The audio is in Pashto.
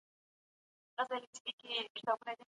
قانون باید په ټولو یوشان پلی سي.